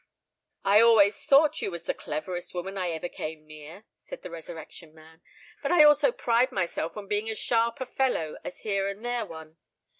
"I always thought you was the cleverest woman I ever came near," said the Resurrection Man; "but I also pride myself on being as sharp a fellow as here and there one.